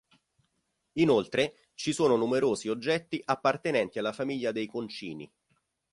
Inoltre ci sono numerosi oggetti appartenenti alla famiglia dei Concini.